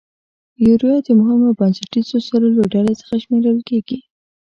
یوریا د مهمو او بنسټیزو سرو له ډلې څخه شمیرل کیږي.